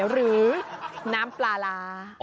หรือน้ำปลาร้า